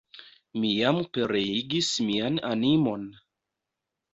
Mi jam pereigis mian animon!